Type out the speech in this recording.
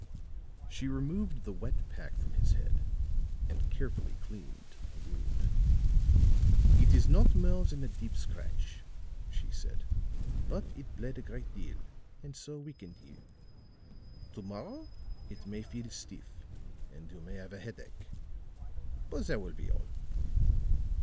She removed the wet pack from his head and carefully cleaned the wound. "It is not more than a deep scratch," she said, "but it bled a great deal, and so weakened you. To morrow it may feel stiff, and you may have a headache; but that will be all."